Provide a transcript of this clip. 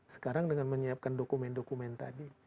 sekarang dengan menyiapkan dokumen dokumen tadi